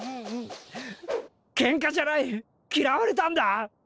ケンカじゃない嫌われたんだ！